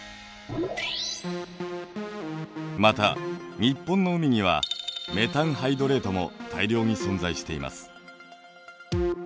また日本の海にはメタンハイドレートも大量に存在しています。